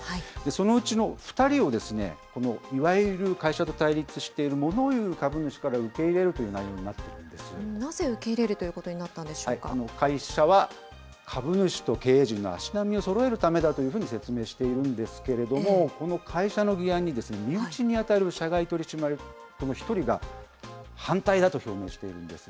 そのうちの２人を、このいわゆる会社と対立しているモノ言う株主から受け入れるといなぜ受け入れるということに会社は株主と経営陣の足並みをそろえるためだというふうに説明しているんですけれども、この会社の議案に身内に当たる社外取締役１人が、反対だと表明しているんです。